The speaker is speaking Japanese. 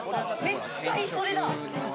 絶対それだ。